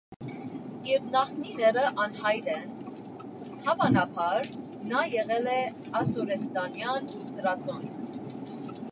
Իր նախնիները անհայտ են, հավանաբար, նա եղել է ասորեստանյան դրածոն։